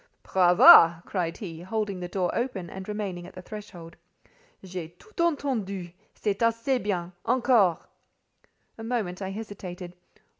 "Brava!" cried he, holding the door open and remaining at the threshold. "J'ai tout entendu. C'est assez bien. Encore!" A moment I hesitated.